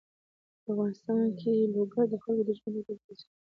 په افغانستان کې لوگر د خلکو د ژوند په کیفیت تاثیر کوي.